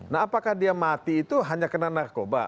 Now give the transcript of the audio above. nah apakah dia mati itu hanya kena narkoba